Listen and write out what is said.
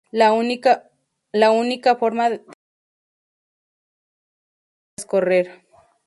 La única forma que tienen los jugadores de sobrevivir, es correr.